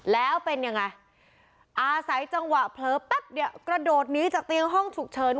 แล้วเป็นยังไงอาศัยจังหวะเผลอแป๊บเดียวกระโดดหนีจากเตียงห้องฉุกเฉิน